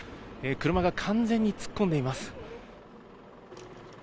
車が完全に突っ込んでいます。